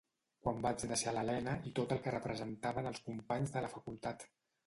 Quan vaig deixar l'Elena i tot el que representaven els companys de la Facultat.